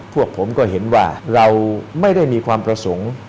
พวกผมก็เห็นว่าเราไม่ได้มีความประสงค์